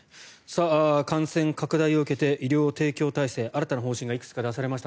感染拡大を受けて医療提供体制新たな方針がいくつか出されました。